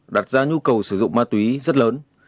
đặt ra nhu cầu sử dụng ma túy rất lớn